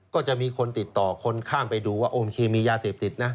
ก็จะมีคนติดต่อคนข้ามไปดูว่าโอเคมียาเสพติดนะ